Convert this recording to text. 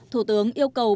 thủ tướng yêu cầu